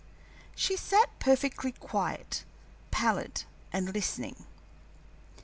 She sat perfectly quiet, pallid and listening.